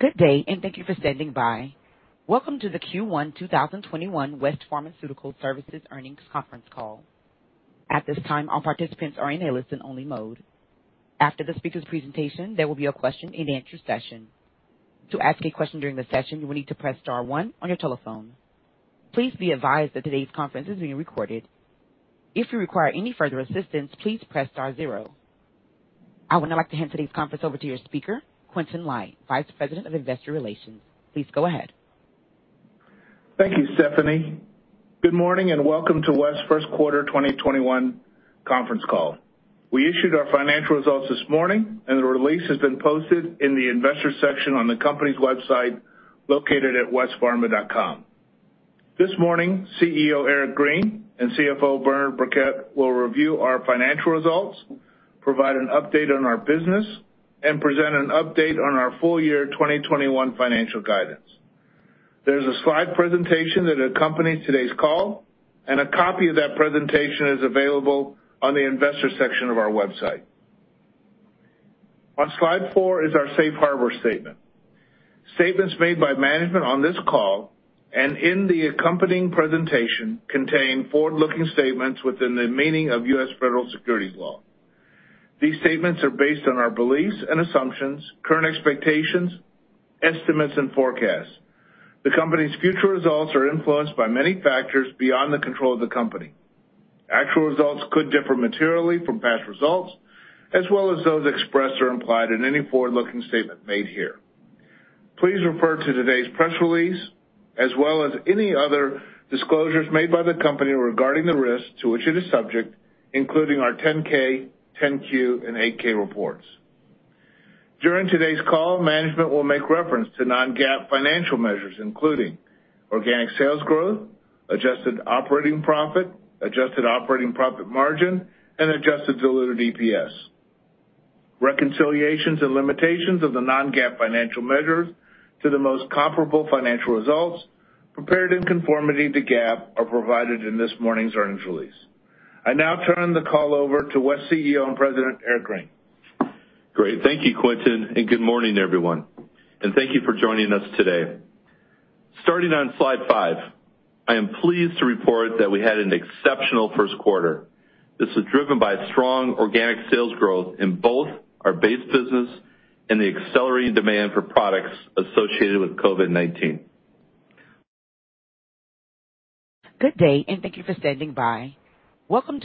Good day, and thank you for standing by. Welcome to the Q1 2021 West Pharmaceutical Services earnings conference call. At this time, all participants are in a listen-only mode. After the speakers' presentation, there will be a question-and-answer session. To ask a question during the session, you will need to press star one on your telephone. Please be advised that today's conference is being recorded. If you require any further assistance, please press star zero. I would now like to hand today's conference over to your speaker, Quintin Lai, Vice President of Investor Relations. Please go ahead. Thank you, Stephanie. Good morning, and welcome to West's first quarter 2021 conference call. We issued our financial results this morning, and the release has been posted in the Investor section on the company's website, located at westpharma.com. This morning, CEO Eric Green and CFO Bernard Birkett will review our financial results, provide an update on our business, and present an update on our full-year 2021 financial guidance. There's a slide presentation that accompanies today's call, and a copy of that presentation is available on the Investor section of our website. On slide four is our safe harbor statement. Statements made by management on this call and in the accompanying presentation contain forward-looking statements within the meaning of U.S. federal securities law. These statements are based on our beliefs and assumptions, current expectations, estimates, and forecasts. The company's future results are influenced by many factors beyond the control of the company. Actual results could differ materially from past results, as well as those expressed or implied in any forward-looking statement made here. Please refer to today's press release, as well as any other disclosures made by the company regarding the risks to which it is subject, including our 10-K, 10-Q, and 8-K reports. During today's call, management will make reference to non-GAAP financial measures, including organic sales growth, adjusted operating profit, adjusted operating profit margin, and adjusted diluted EPS. Reconciliations and limitations of the non-GAAP financial measures to the most comparable financial results prepared in conformity to GAAP are provided in this morning's earnings release. I now turn the call over to West CEO and President, Eric Green. Great. Thank you, Quintin, and good morning, everyone, and thank you for joining us today. Starting on slide five, I am pleased to report that we had an exceptional first quarter. This is driven by strong organic sales growth in both our base business and the accelerating demand for products associated with COVID-19.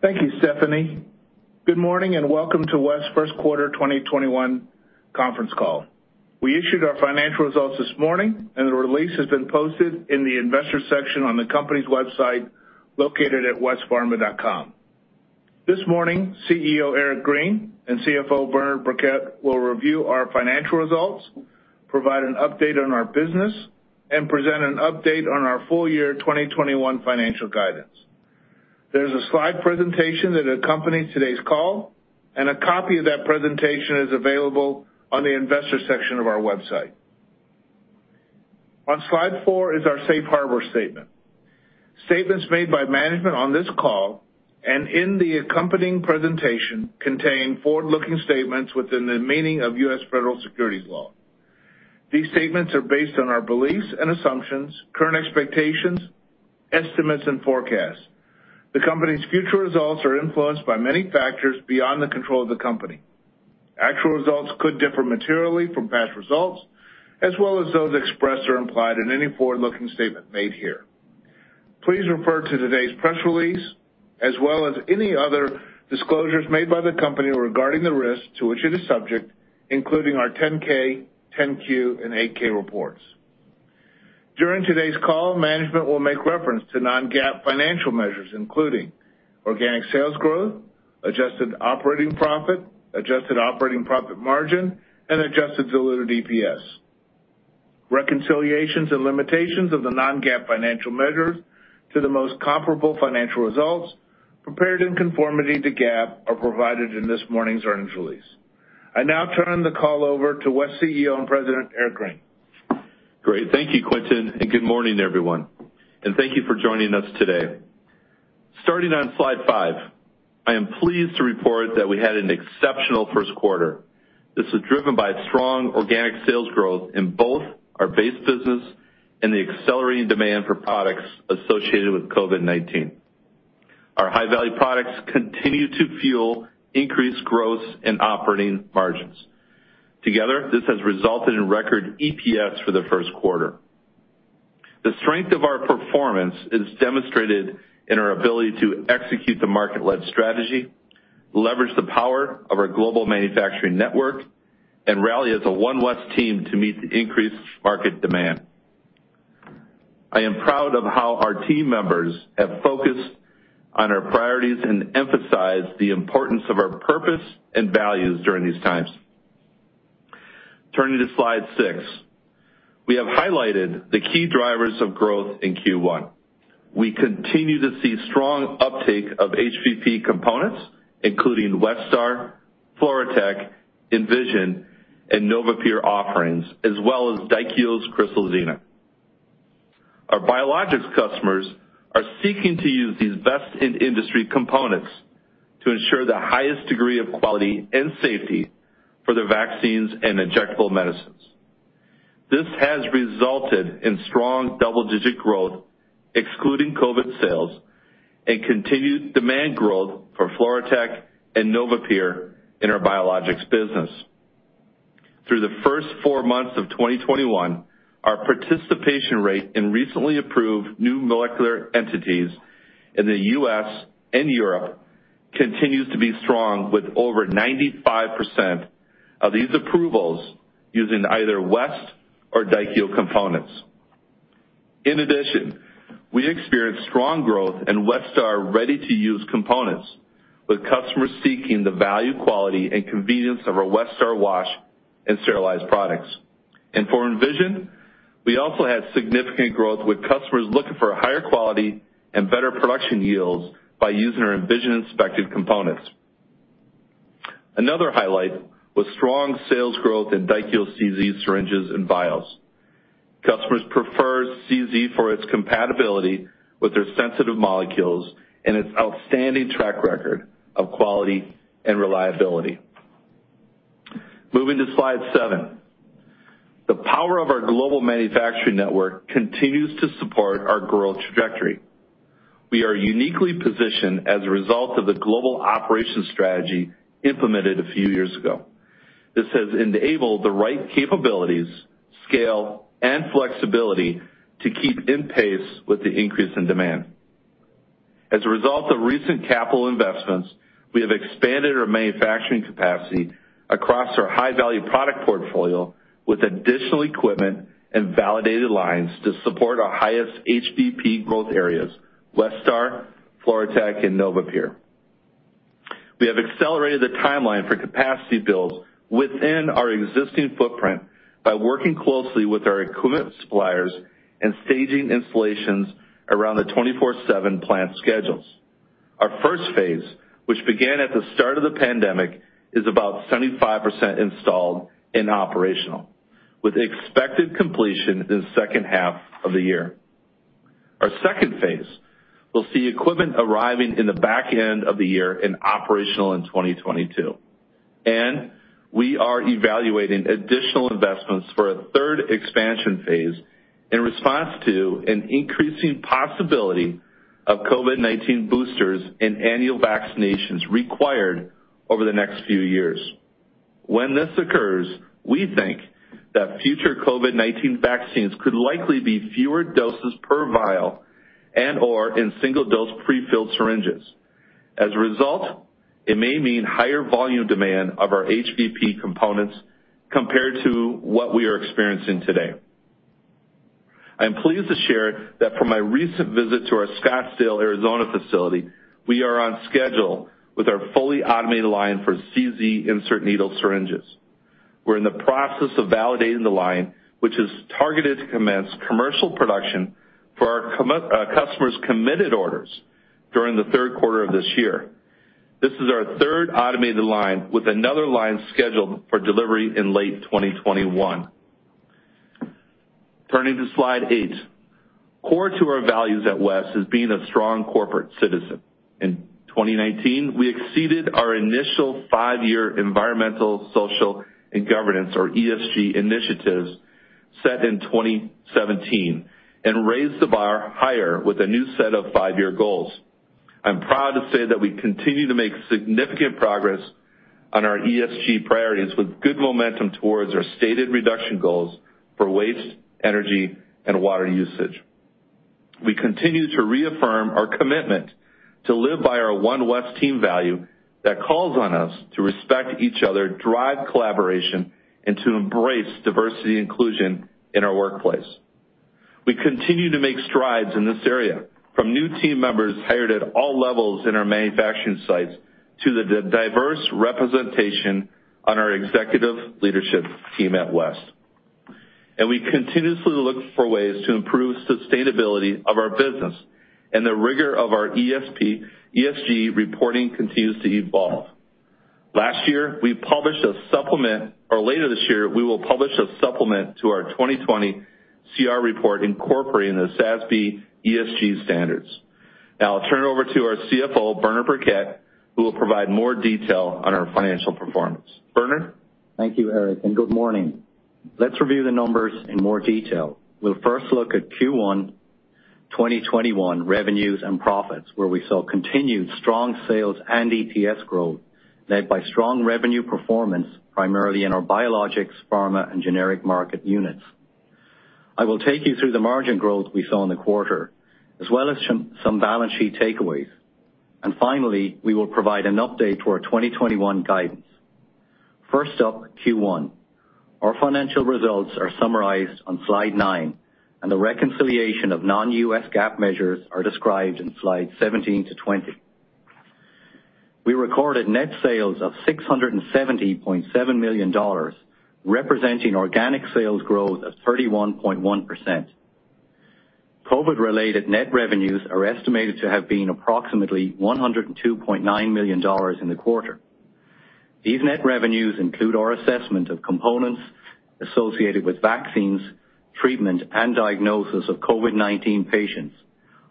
Our High-Value Products continue to fuel increased growth and operating margins. Together, this has resulted in record EPS for the first quarter. The strength of our performance is demonstrated in our ability to execute the market-led strategy, leverage the power of our global manufacturing network, and rally as a One West team to meet the increased market demand. I am proud of how our team members have focused on our priorities and emphasized the importance of our purpose and values during these times. Turning to slide six. We have highlighted the key drivers of growth in Q1. We continue to see strong uptake of HVP components, including Westar, FluroTec, Envision and NovaPure offerings, as well as Daikyo's Crystal Zenith. Our biologics customers are seeking to use these best-in-industry components to ensure the highest degree of quality and safety for their vaccines and injectable medicines. This has resulted in strong double-digit growth, excluding COVID sales, and continued demand growth for FluroTec and NovaPure in our biologics business. Through the first four months of 2021, our participation rate in recently approved new molecular entities in the U.S. and Europe continues to be strong with over 95% of these approvals using either West or Daikyo components. In addition, we experienced strong growth in Westar ready-to-use components, with customers seeking the value, quality and convenience of our Westar wash and sterilized products. For Envision, we also had significant growth with customers looking for higher quality and better production yields by using our Envision inspected components. Another highlight was strong sales growth in Daikyo CZ syringes and vials. Customers prefer CZ for its compatibility with their sensitive molecules and its outstanding track record of quality and reliability. Moving to slide seven. The power of our global manufacturing network continues to support our growth trajectory. We are uniquely positioned as a result of the global operation strategy implemented a few years ago. This has enabled the right capabilities, scale, and flexibility to keep in pace with the increase in demand. As a result of recent capital investments, we have expanded our manufacturing capacity across our high-value product portfolio with additional equipment and validated lines to support our highest HVP growth areas, Westar, FluroTec and NovaPure. We have accelerated the timeline for capacity builds within our existing footprint by working closely with our equipment suppliers and staging installations around the 24/7 plant schedules. Our first phase, which began at the start of the pandemic, is about 75% installed and operational, with expected completion in the second half of the year. Our second phase will see equipment arriving in the back end of the year and operational in 2022. We are evaluating additional investments for a third expansion phase in response to an increasing possibility of COVID-19 boosters and annual vaccinations required over the next few years. When this occurs, we think that future COVID-19 vaccines could likely be fewer doses per vial and/or in single-dose prefilled syringes. As a result, it may mean higher volume demand of our HVP components compared to what we are experiencing today. I am pleased to share that from my recent visit to our Scottsdale, Arizona facility, we are on schedule with our fully automated line for CZ insert needle syringes. We're in the process of validating the line, which is targeted to commence commercial production for our customer's committed orders during the third quarter of this year. This is our third automated line, with another line scheduled for delivery in late 2021. Turning to slide eight. Core to our values at West is being a strong corporate citizen. In 2019, we exceeded our initial five-year environmental, social, and governance, or ESG initiatives set in 2017 and raised the bar higher with a new set of five-year goals. I'm proud to say that we continue to make significant progress on our ESG priorities with good momentum towards our stated reduction goals for waste, energy, and water usage. We continue to reaffirm our commitment to live by our One West team value that calls on us to respect each other, drive collaboration, and to embrace diversity and inclusion in our workplace. We continue to make strides in this area from new team members hired at all levels in our manufacturing sites to the diverse representation on our executive leadership team at West. We continuously look for ways to improve sustainability of our business, and the rigor of our ESG reporting continues to evolve. Later this year, we will publish a supplement to our 2020 CR report incorporating the SASB ESG standards. Now I'll turn it over to our CFO, Bernard Birkett, who will provide more detail on our financial performance. Bernard? Thank you, Eric, and good morning. Let's review the numbers in more detail. We'll first look at Q1 2021 revenues and profits, where we saw continued strong sales and EPS growth led by strong revenue performance primarily in our Biologics, pharma, and generic market units. I will take you through the margin growth we saw in the quarter, as well as some balance sheet takeaways. Finally, we will provide an update to our 2021 guidance. First up, Q1. Our financial results are summarized on slide nine, and the reconciliation of non-U.S. GAAP measures are described in slides 17-20. We recorded net sales of $670.7 million, representing organic sales growth of 31.1%. COVID-related net revenues are estimated to have been approximately $102.9 million in the quarter. These net revenues include our assessment of components associated with vaccines, treatment, and diagnosis of COVID-19 patients,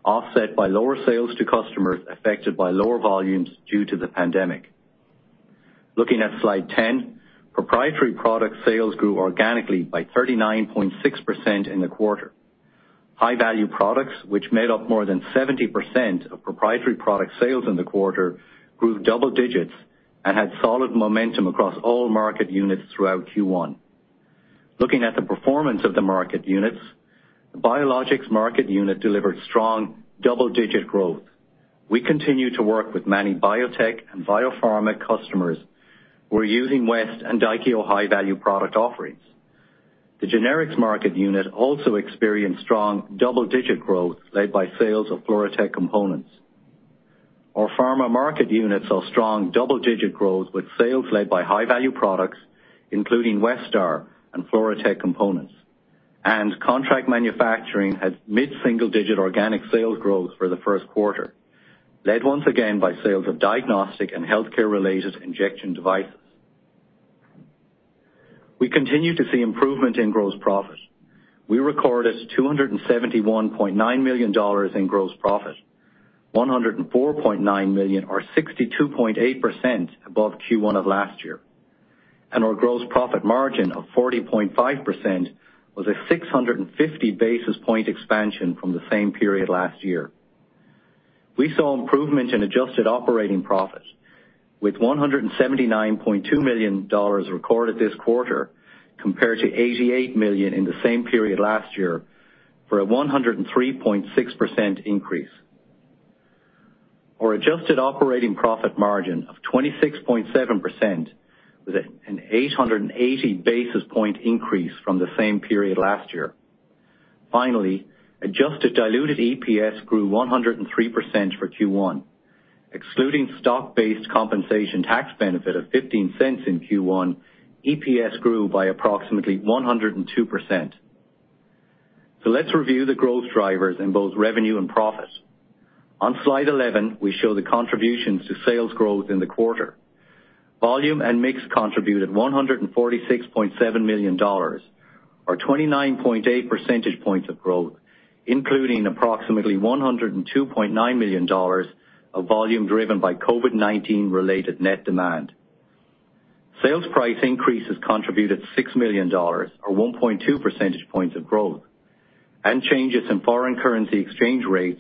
offset by lower sales to customers affected by lower volumes due to the pandemic. Looking at slide 10, proprietary product sales grew organically by 39.6% in the quarter. High-Value Products, which made up more than 70% of proprietary product sales in the quarter, grew double digits and had solid momentum across all market units throughout Q1. Looking at the performance of the market units, the Biologics market unit delivered strong double-digit growth. We continue to work with many biotech and biopharma customers who are using West and Daikyo High-Value Product offerings. The Generics market unit also experienced strong double-digit growth led by sales of FluroTec components. Our Pharma market units saw strong double-digit growth with sales led by High-Value Products, including Westar and FluroTec components. Contract manufacturing had mid-single-digit organic sales growth for the first quarter, led once again by sales of diagnostic and healthcare-related injection devices. We continue to see improvement in gross profit. We recorded $271.9 million in gross profit, $104.9 million or 62.8% above Q1 of last year. Our gross profit margin of 40.5% was a 650 basis point expansion from the same period last year. We saw improvement in adjusted operating profit with $179.2 million recorded this quarter, compared to $88 million in the same period last year for a 103.6% increase. Our adjusted operating profit margin of 26.7% was an 880 basis point increase from the same period last year. Adjusted diluted EPS grew 103% for Q1. Excluding stock-based compensation tax benefit of $0.15 in Q1, EPS grew by approximately 102%. Let's review the growth drivers in both revenue and profit. On slide 11, we show the contributions to sales growth in the quarter. Volume and mix contributed $146.7 million, or 29.8 percentage points of growth, including approximately $102.9 million of volume driven by COVID-19-related net demand. Sales price increases contributed $6 million, or 1.2 percentage points of growth, and changes in foreign currency exchange rates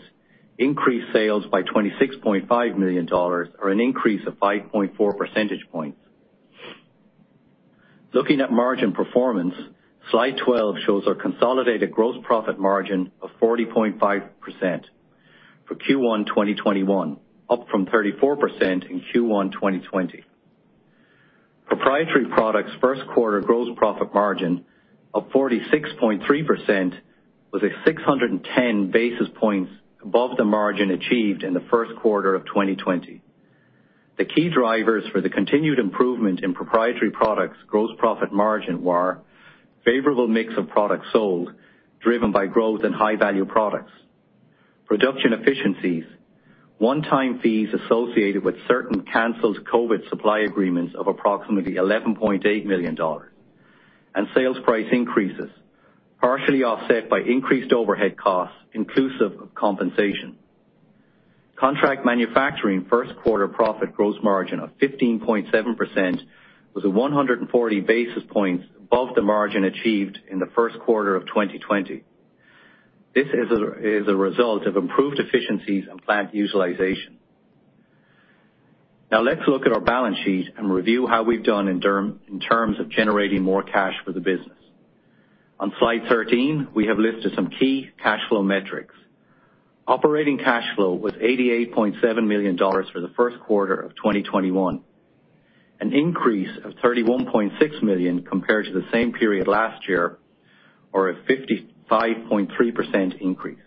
increased sales by $26.5 million, or an increase of 5.4 percentage points. Looking at margin performance, slide 12 shows our consolidated gross profit margin of 40.5% for Q1 2021, up from 34% in Q1 2020. Proprietary products' first quarter gross profit margin of 46.3% was 610 basis points above the margin achieved in the first quarter of 2020. The key drivers for the continued improvement in proprietary products' gross profit margin were favorable mix of products sold, driven by growth in High-Value Products. Production efficiencies, one-time fees associated with certain canceled COVID-19 supply agreements of approximately $11.8 million, and sales price increases, partially offset by increased overhead costs inclusive of compensation. Contract manufacturing first quarter profit gross margin of 15.7% was a 140 basis points above the margin achieved in the first quarter of 2020. This is a result of improved efficiencies and plant utilization. Now let's look at our balance sheet and review how we've done in terms of generating more cash for the business. On slide 13, we have listed some key cash flow metrics. Operating cash flow was $88.7 million for the first quarter of 2021, an increase of $31.6 million compared to the same period last year, or a 55.3% increase.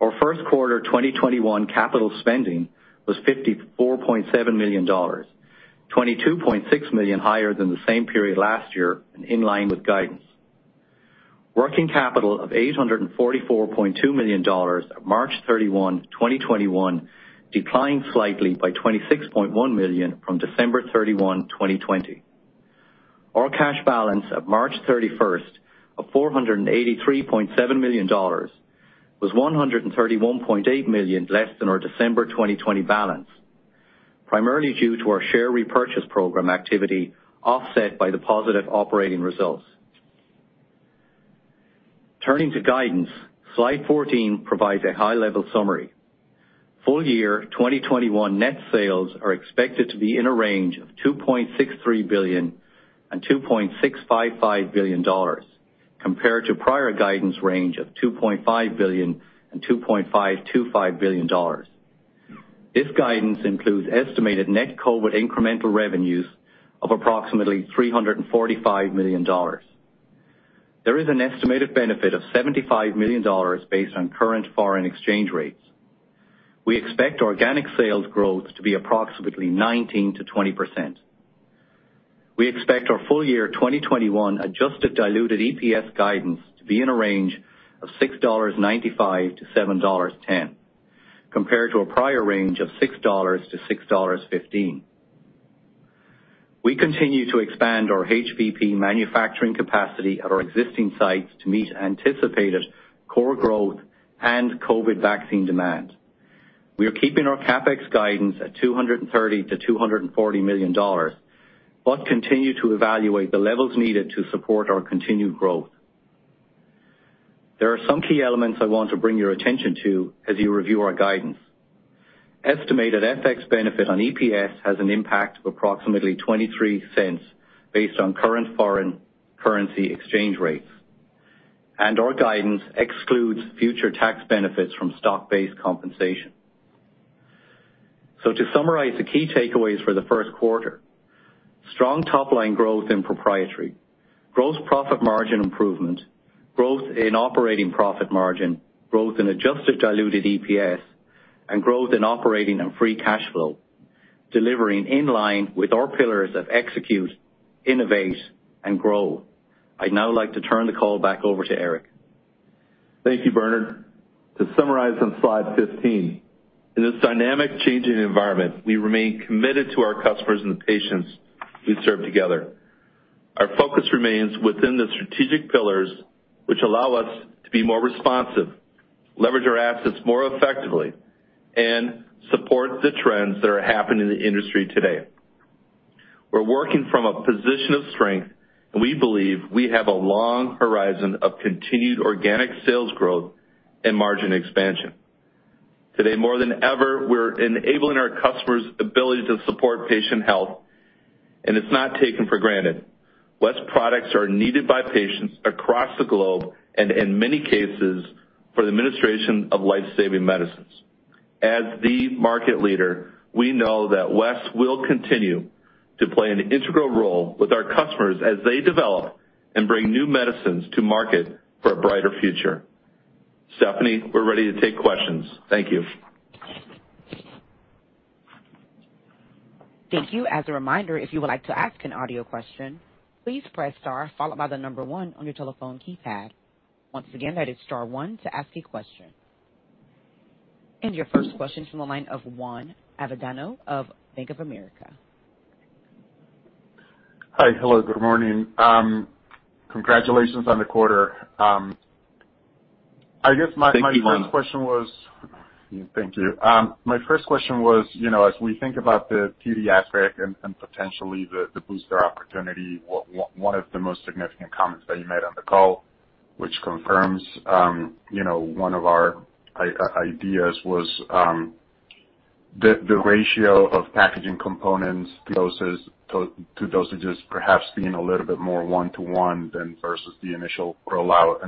Our first quarter 2021 capital spending was $54.7 million, $22.6 million higher than the same period last year and in line with guidance. Working capital of $844.2 million at March 31, 2021, declined slightly by $26.1 million from December 31, 2020. Our cash balance at March 31st of $483.7 million was $131.8 million less than our December 2020 balance, primarily due to our share repurchase program activity offset by the positive operating results. Turning to guidance, slide 14 provides a high-level summary. Full year 2021 net sales are expected to be in a range of $2.63 billion and $2.655 billion, compared to prior guidance range of $2.5 billion and $2.525 billion. This guidance includes estimated net COVID incremental revenues of approximately $345 million. There is an estimated benefit of $75 million based on current foreign exchange rates. We expect organic sales growth to be approximately 19%-20%. We expect our full year 2021 adjusted diluted EPS guidance to be in a range of $6.95-$7.10, compared to a prior range of $6-$6.15. We continue to expand our HVP manufacturing capacity at our existing sites to meet anticipated core growth and COVID vaccine demand. We are keeping our CapEx guidance at $230 million-$240 million, but continue to evaluate the levels needed to support our continued growth. There are some key elements I want to bring your attention to as you review our guidance. Estimated FX benefit on EPS has an impact of approximately $0.23 based on current foreign currency exchange rates. Our guidance excludes future tax benefits from stock-based compensation. To summarize the key takeaways for the first quarter, strong top-line growth in proprietary, gross profit margin improvement, growth in operating profit margin, growth in adjusted diluted EPS, and growth in operating and free cash flow, delivering in line with our pillars of execute, innovate, and grow. I'd now like to turn the call back over to Eric. Thank you, Bernard. To summarize on slide 15, in this dynamic changing environment, we remain committed to our customers and the patients we serve together. Our focus remains within the strategic pillars, which allow us to be more responsive, leverage our assets more effectively, and support the trends that are happening in the industry today. We're working from a position of strength, and we believe we have a long horizon of continued organic sales growth and margin expansion. Today, more than ever, we're enabling our customers' ability to support patient health, and it's not taken for granted. West products are needed by patients across the globe and in many cases, for the administration of life-saving medicines. As the market leader, we know that West will continue to play an integral role with our customers as they develop and bring new medicines to market for a brighter future. Stephanie, we're ready to take questions. Thank you. Thank you. As a reminder, if you would like to ask an audio question, please press star followed by the number one on your telephone keypad. Once again, that is star one to ask a question. Your first question from the line of Juan Avendano of Bank of America. Hi. Hello, good morning. Congratulations on the quarter. Thank you, Juan. Thank you. My first question was, as we think about the pediatric and potentially the booster opportunity, one of the most significant comments that you made on the call, which confirms one of our ideas was the ratio of packaging components to dosages perhaps being a little bit more one to one than versus the initial rollout.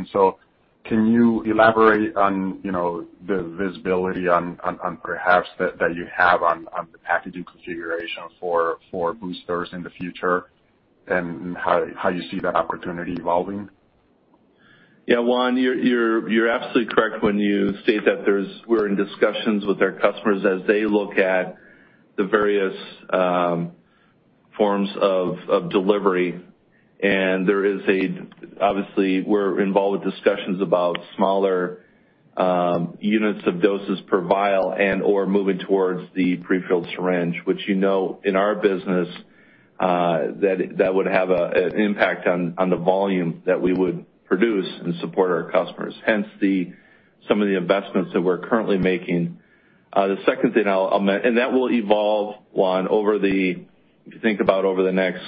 Can you elaborate on the visibility on perhaps that you have on the packaging configuration for boosters in the future and how you see that opportunity evolving? Juan, you're absolutely correct when you state that we're in discussions with our customers as they look at the various forms of delivery. Obviously, we're involved with discussions about smaller units of doses per vial and/or moving towards the prefilled syringe, which you know in our business, that would have an impact on the volume that we would produce and support our customers. Hence some of the investments that we're currently making. That will evolve, Juan, if you think about over the next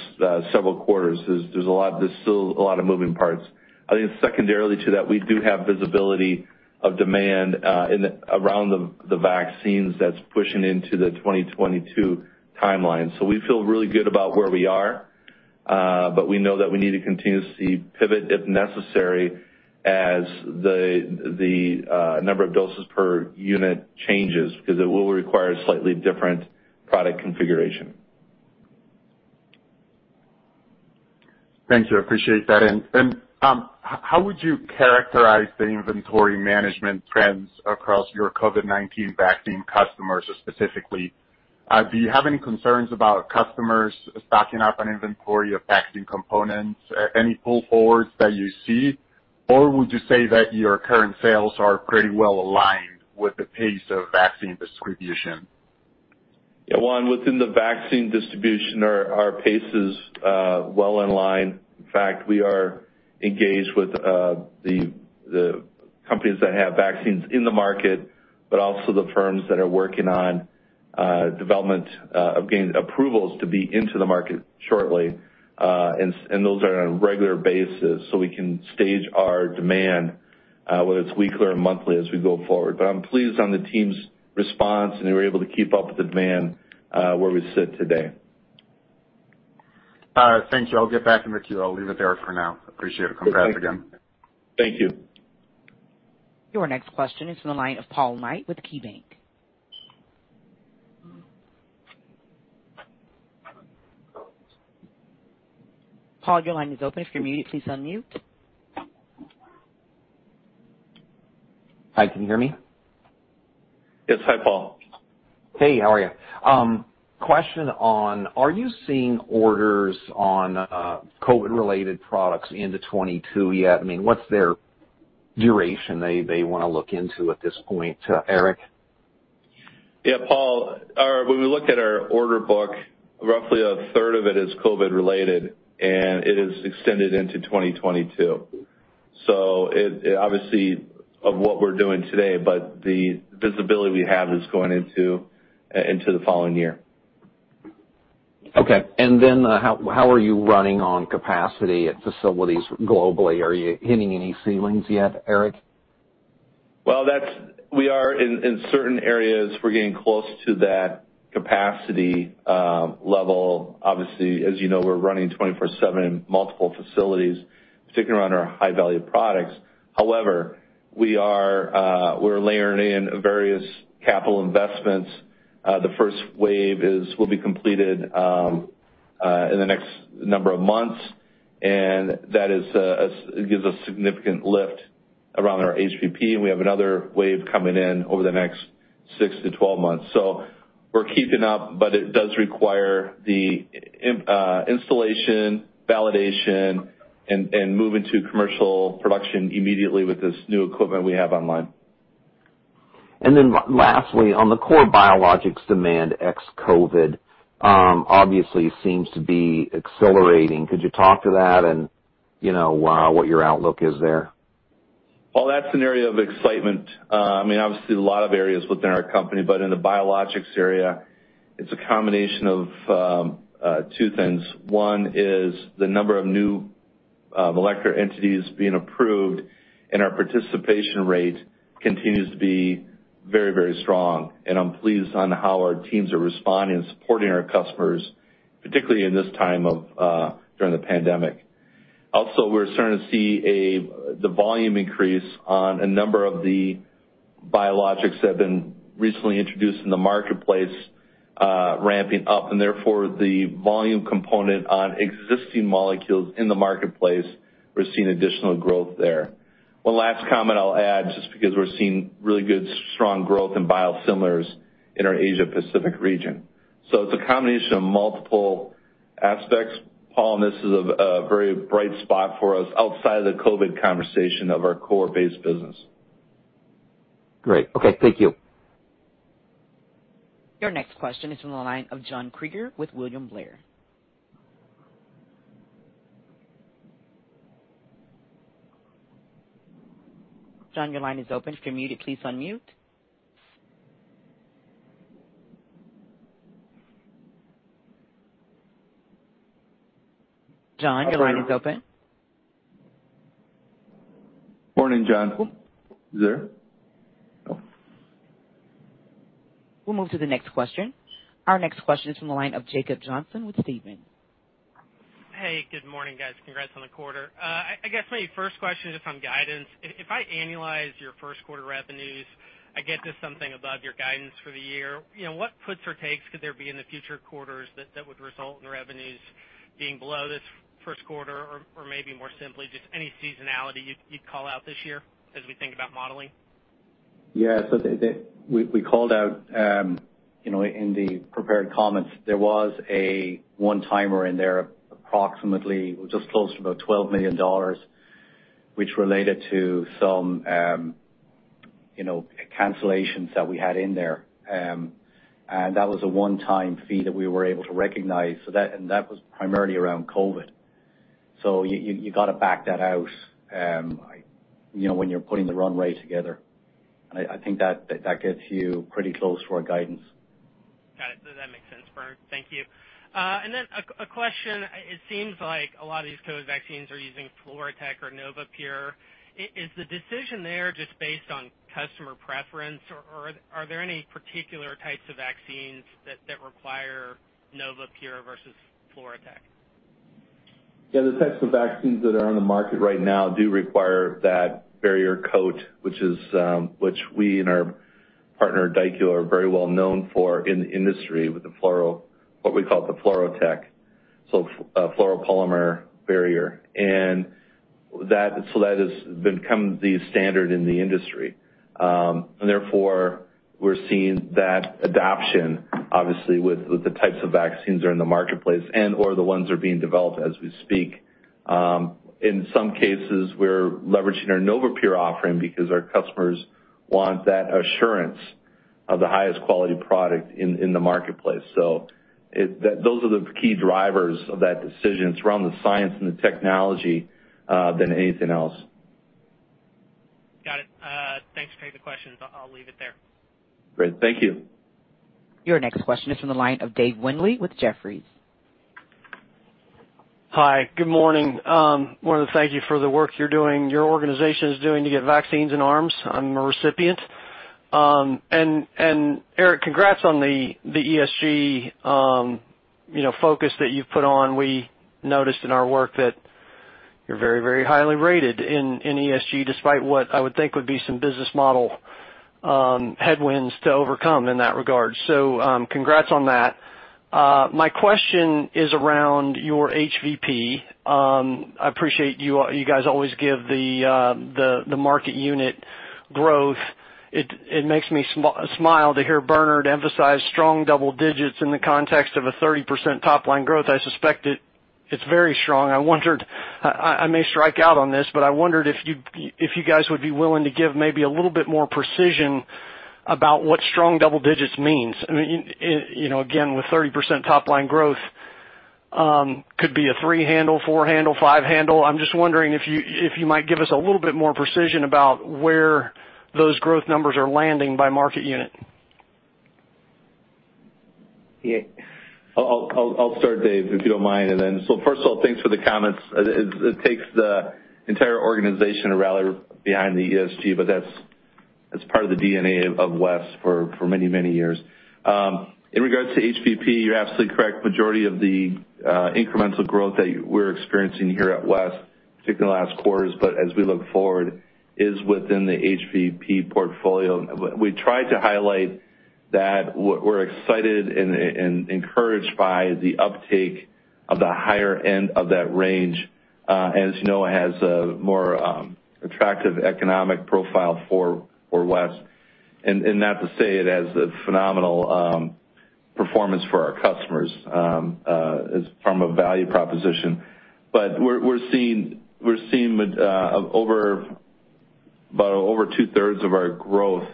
several quarters. There's still a lot of moving parts. I think secondarily to that, we do have visibility of demand around the vaccines that's pushing into the 2022 timeline. We feel really good about where we are, but we know that we need to continuously pivot if necessary as the number of doses per unit changes, because it will require a slightly different product configuration. Thank you. I appreciate that. How would you characterize the inventory management trends across your COVID-19 vaccine customers specifically? Do you have any concerns about customers stocking up on inventory of vaccine components? Any pull forwards that you see? Would you say that your current sales are pretty well aligned with the pace of vaccine distribution? Yeah, Juan, within the vaccine distribution, our pace is well in line. We are engaged with the companies that have vaccines in the market, but also the firms that are working on development of getting approvals to be into the market shortly. Those are on a regular basis, so we can stage our demand, whether it's weekly or monthly as we go forward. I'm pleased on the team's response, and they were able to keep up with the demand where we sit today. Thank you. I'll get back in the queue. I'll leave it there for now. Appreciate it. Congrats again. Thank you. Your next question is from the line of Paul Knight with KeyBanc. Paul, your line is open. If you're muted, please unmute. Hi, can you hear me? Yes. Hi, Paul. Hey, how are you? Question on, are you seeing orders on COVID-19 related products into 2022 yet? What's their duration they want to look into at this point, Eric? Yeah, Paul, when we look at our order book, roughly a third of it is COVID related, and it is extended into 2022. Obviously of what we're doing today, but the visibility we have is going into the following year. Okay. Then how are you running on capacity at facilities globally? Are you hitting any ceilings yet, Eric? In certain areas, we're getting close to that capacity level. Obviously, as you know, we're running 24/7 in multiple facilities, particularly around our High-Value Products. However, we're layering in various capital investments. The first wave will be completed in the next number of months, and that gives a significant lift around our HVP, and we have another wave coming in over the next 6-12 months. We're keeping up, but it does require the installation, validation, and move into commercial production immediately with this new equipment we have online. Lastly, on the core Biologics demand ex-COVID, obviously seems to be accelerating. Could you talk to that and what your outlook is there? Well, that's an area of excitement. Obviously, a lot of areas within our company, but in the biologics area, it's a combination of two things. One is the number of new molecular entities being approved, and our participation rate continues to be very strong, and I'm pleased on how our teams are responding and supporting our customers, particularly in this time of during the pandemic. Also, we're starting to see the volume increase on a number of the biologics that have been recently introduced in the marketplace ramping up, and therefore the volume component on existing molecules in the marketplace, we're seeing additional growth there. One last comment I'll add, just because we're seeing really good, strong growth in biosimilars in our Asia Pacific region. It's a combination of multiple aspects, Paul, and this is a very bright spot for us outside of the COVID conversation of our core base business. Great. Okay. Thank you. Your next question is from the line of John Kreger with William Blair. John, your line is open. If you're muted, please unmute. John, your line is open. Morning, John. Is he there? No. We'll move to the next question. Our next question is from the line of Jacob Johnson with Stephens Inc. Hey, good morning, guys. Congrats on the quarter. I guess my first question is on guidance. If I annualize your first quarter revenues, I get to something above your guidance for the year. What puts or takes could there be in the future quarters that would result in revenues being below this first quarter? Maybe more simply, just any seasonality you'd call out this year as we think about modeling? Yeah. We called out in the prepared comments. There was a one-timer in there, approximately just close to about $12 million, which related to some cancellations that we had in there. That was a one-time fee that we were able to recognize. That was primarily around COVID. You got to back that out when you're putting the runway together. I think that gets you pretty close to our guidance. Got it. That makes sense, Bern. Thank you. A question. It seems like a lot of these COVID vaccines are using FluroTec or NovaPure. Is the decision there just based on customer preference, or are there any particular types of vaccines that require NovaPure versus FluroTec? The types of vaccines that are on the market right now do require that barrier coat, which we and our partner, Daikyo, are very well known for in the industry with what we call the FluroTec fluoropolymer barrier. That has become the standard in the industry. We're seeing that adoption, obviously, with the types of vaccines that are in the marketplace and/or the ones that are being developed as we speak. In some cases, we're leveraging our NovaPure offering because our customers want that assurance of the highest quality product in the marketplace. Those are the key drivers of that decision. It's around the science and the technology than anything else. Got it. Thanks for taking the question. I'll leave it there. Great. Thank you. Your next question is from the line of Dave Windley with Jefferies. Hi. Good morning. I wanted to thank you for the work you're doing, your organization is doing to get vaccines in arms. I'm a recipient. Eric, congrats on the ESG focus that you've put on. We noticed in our work that you're very highly rated in ESG, despite what I would think would be some business model headwinds to overcome in that regard. Congrats on that. My question is around your HVP. I appreciate you guys always give the market unit growth. It makes me smile to hear Bernard emphasize strong double digits in the context of a 30% top-line growth. I suspect it's very strong. I may strike out on this, I wondered if you guys would be willing to give maybe a little bit more precision about what strong double digits means. With 30% top line growth, could be a three handle, four handle, five handle. I'm just wondering if you might give us a little bit more precision about where those growth numbers are landing by market unit? Yeah. I'll start, Dave, if you don't mind. First of all, thanks for the comments. It takes the entire organization to rally behind the ESG, but that's part of the DNA of West for many years. In regards to HVP, you're absolutely correct. Majority of the incremental growth that we're experiencing here at West, particularly in the last quarters, but as we look forward, is within the HVP portfolio. We try to highlight that we're excited and encouraged by the uptake of the higher end of that range. As you know, it has a more attractive economic profile for West, and not to say it has a phenomenal performance for our customers from a value proposition. We're seeing about over two-thirds of our growth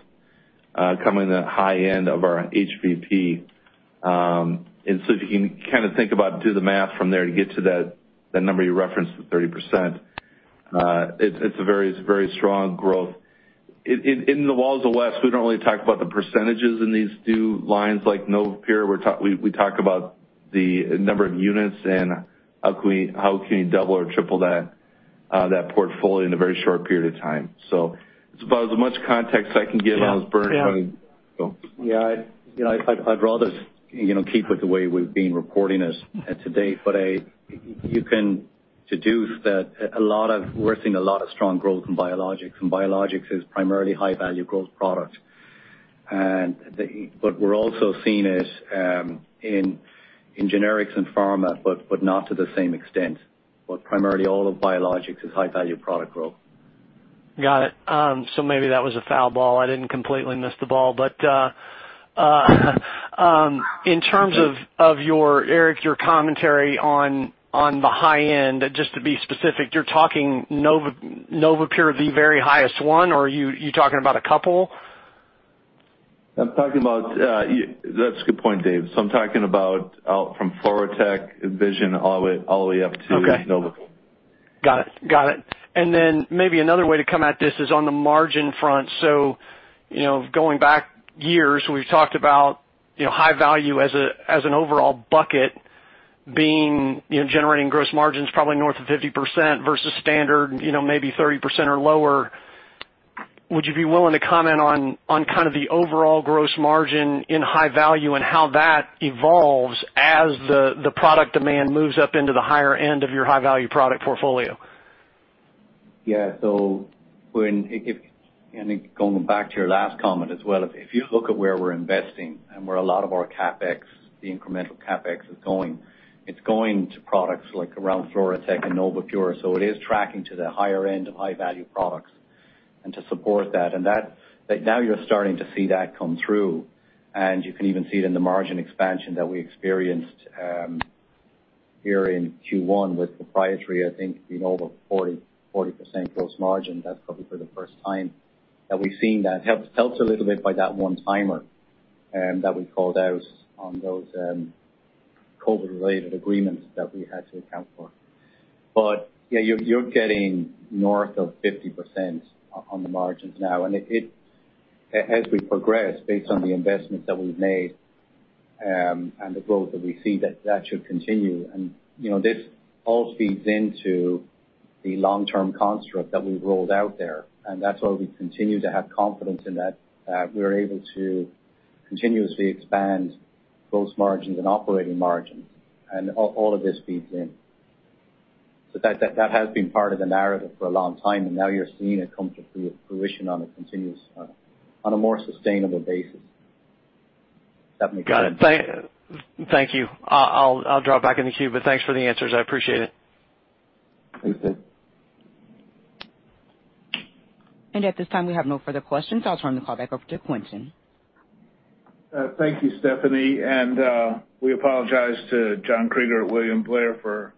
coming in the high end of our HVP. If you can think about, do the math from there to get to that number you referenced, the 30%. It's a very strong growth. In the walls of West, we don't really talk about the percentages in these two lines like NovaPure. We talk about the number of units and how can you double or triple that portfolio in a very short period of time. It's about as much context I can give. Yeah. On as Bernard. Go on. Yeah. I'd rather keep it the way we've been reporting it to date. You can deduce that we're seeing a lot of strong growth in Biologics, and Biologics is primarily high-value growth product. We're also seeing it in generics and pharma, but not to the same extent. Primarily all of Biologics is high-value product growth. Got it. Maybe that was a foul ball. I didn't completely miss the ball. In terms of, Eric, your commentary on the high end, just to be specific, you're talking NovaPure, the very highest one, or you're talking about a couple? That's a good point, Dave. I'm talking about from FluroTec, Envision, all the way up to NovaPure. Okay. Got it. Maybe another way to come at this is on the margin front. Going back years, we've talked about high-value as an overall bucket being generating gross margins probably north of 50% versus standard maybe 30% or lower. Would you be willing to comment on kind of the overall gross margin in high-value and how that evolves as the product demand moves up into the higher end of your high-value product portfolio? Going back to your last comment as well, if you look at where we're investing and where a lot of our CapEx, the incremental CapEx is going, it's going to products like around FluroTec and NovaPure. It is tracking to the higher end of high-value products and to support that. Now you're starting to see that come through, and you can even see it in the margin expansion that we experienced here in Q1 with proprietary. I think the NovaPure 40% gross margin, that's probably for the first time that we've seen that. Helped a little bit by that one-timer that we called out on those COVID-related agreements that we had to account for. Yeah, you're getting north of 50% on the margins now. As we progress, based on the investment that we've made and the growth that we see, that should continue. This all feeds into the long-term construct that we've rolled out there, and that's why we continue to have confidence in that we're able to continuously expand gross margins and operating margins. All of this feeds in. That has been part of the narrative for a long time, and now you're seeing it come to fruition on a more sustainable basis. Does that make sense? Got it. Thank you. I'll drop back in the queue, but thanks for the answers. I appreciate it. Thanks, Dave. At this time, we have no further questions. I'll turn the call back over to Quintin. Thank you, Stephanie. We apologize to John Kreger at William Blair for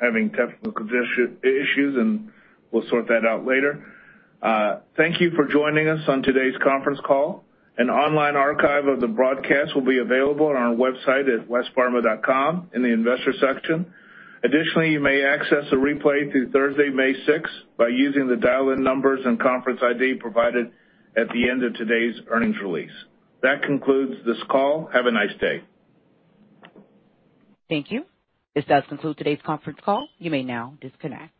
having technical issues, and we'll sort that out later. Thank you for joining us on today's conference call. An online archive of the broadcast will be available on our website at westpharma.com in the investor section. Additionally, you may access a replay through Thursday, May 6th by using the dial-in numbers and conference ID provided at the end of today's earnings release. That concludes this call. Have a nice day. Thank you. This does conclude today's conference call. You may now disconnect.